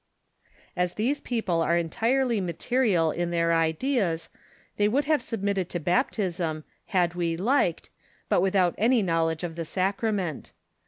As these people are entirely material in their ideas, they would have submitted to baptism, had we liked, but without any knowledge of the sacrament.